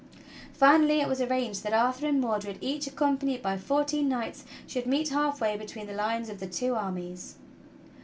Finally it was arranged that Arthur and Mordred, each accom panied by fourteen knights, should meet halfway between the lines of the two armies.